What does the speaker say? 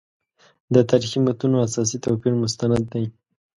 د تاریخي متونو اساسي توپیر مستند دی.